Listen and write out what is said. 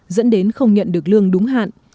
dẫn đến không nhận được lương đúng hạn